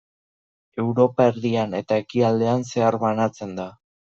Europa erdian eta ekialdean zehar banatzen da.